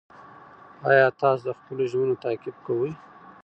ایا تاسو د خپلو ژمنو تعقیب کوئ؟